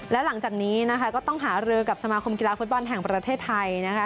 และหลังจากนี้นะคะก็ต้องหารือกับสมาคมกีฬาฟุตบอลแห่งประเทศไทยนะคะ